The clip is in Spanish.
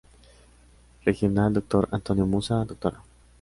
Regional Dr. Antonio Musa, Dra.